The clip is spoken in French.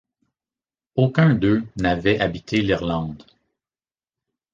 Aucun d’eux n’avait habité l’Irlande.